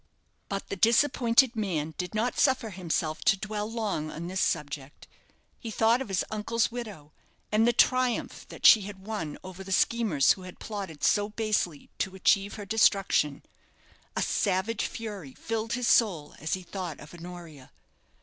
But the disappointed man did not suffer himself to dwell long on this subject. He thought of his uncle's widow, and the triumph that she had won over the schemers who had plotted so basely to achieve her destruction. A savage fury filled his soul as he thought of Honoria.